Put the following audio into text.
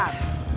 tidak ada apa apa